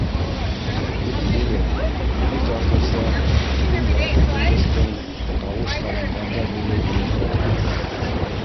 «Күкбүре!» - еҫ артынса үҙен яратып өндәшкән тауыш салынғандай булды уның ҡолағына.